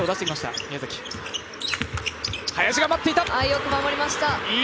よく守りました。